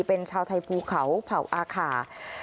เป็นชาวไทยภูเขาเผ่าอาคา